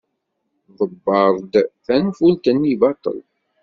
Tḍebber-d tanfult-nni baṭel.